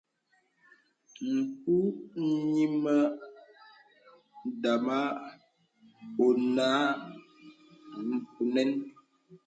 M̄pù nyìmə dāmà onə mpùməŋ.